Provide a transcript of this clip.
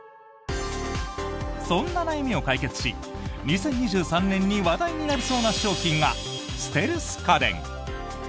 そんな悩みを解決し２０２３年に話題になりそうな商品がステルス家電。